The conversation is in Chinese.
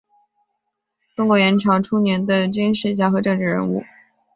中国元朝初年的军事家和政治人物。